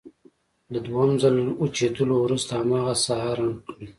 له دویم ځل وچېدلو وروسته هماغه ساحه رنګ کړئ.